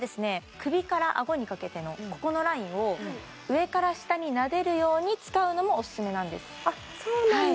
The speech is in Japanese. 首からあごにかけてのここのラインを上から下になでるように使うのもオススメなんですあっそうなんだ